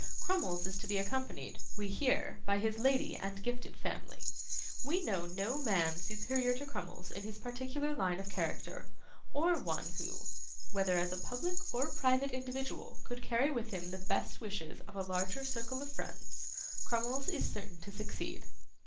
Crummles is to be accompanied, we hear, by his lady and gifted family. We know no man superior to Crummles in his particular line of character, or one who, whether as a public or private individual, could carry with him the best wishes of a larger circle of friends. Crummles is certain to succeed.